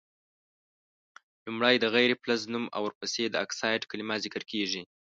لومړی د غیر فلز نوم او ورپسي د اکسایډ کلمه ذکر کیږي.